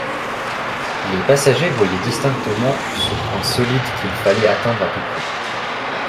Les passagers voyaient distinctement ce point solide, qu’il fallait atteindre à tout prix.